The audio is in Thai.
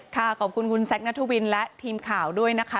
ขอบคุณคุณแซคนัทวินและทีมข่าวด้วยนะคะ